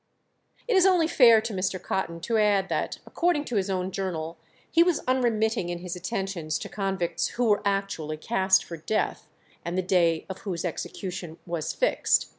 It is only fair to Mr. Cotton to add that, according to his own journal, he was unremitting in his attentions to convicts who were actually cast for death, and the day of whose execution was fixed.